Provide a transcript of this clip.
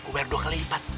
gue bayar dua kali lipat